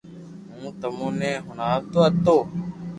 ھون تمو ني ھڻاوتو ھتو